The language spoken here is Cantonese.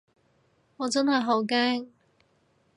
我真係好驚